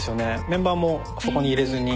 メンバーもそこに入れずに。